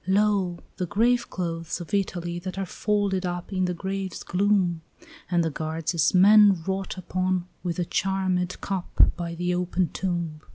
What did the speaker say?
"Lo, the graveclothes of Italy that are folded up In the grave's gloom! And the guards as men wrought upon with a charmèd cup, By the open tomb.